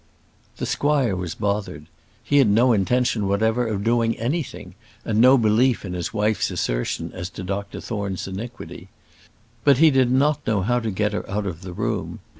The squire was bothered. He had no intention whatever of doing anything, and no belief in his wife's assertion as to Dr Thorne's iniquity. But he did not know how to get her out of the room.